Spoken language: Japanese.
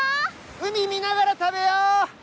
海見ながら食べよう！